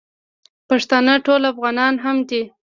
پښتانه ټول افغانان هم دي.